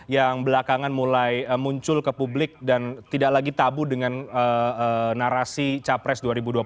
yang belakangan mulai muncul ke publik dan tidak lagi tabu dengan narasi capres dua ribu dua puluh